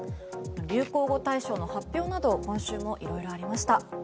流行語大賞の発表など今週もいろいろありました。